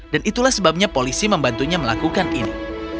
dan itulah sebabnya polisi membantunya melakukan ini